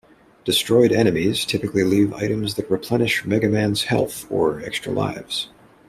Destroyed enemies typically leave items that replenish Mega Man's health or extra lives.